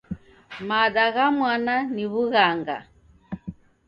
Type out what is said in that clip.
Mada gha mwana ni w'ughanga.